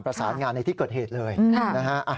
ประสานงานในที่เกิดเหตุเลยนะฮะ